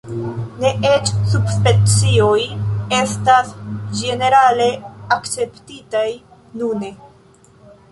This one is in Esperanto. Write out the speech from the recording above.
Ne eĉ subspecioj estas ĝenerale akceptitaj nune.